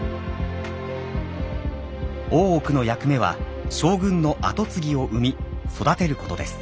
大奥の役目は将軍の跡継ぎを産み育てることです。